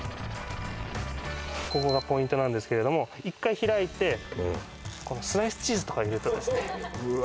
ここがポイントなんですけれども１回開いてこのスライスチーズとか入れるとですねうわ